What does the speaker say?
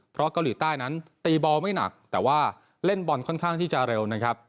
เพราะเกาหลีใต้นั้นตีบอลไม่หนักแต่ว่าเล่นบอลค่อนข้างที่จะเร็วนะครับ